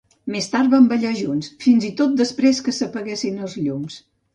Més tard van ballar junts, fins i tot després que s'apaguessin els llums.